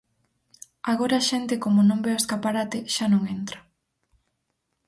Agora a xente como non ve o escaparate, xa non entra.